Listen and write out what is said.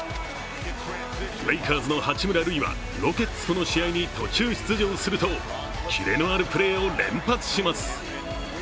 レイカーズの八村塁はロケッツとの試合に途中出場するとキレのあるプレーを連発します。